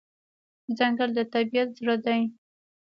ځنګل د طبیعت زړه دی.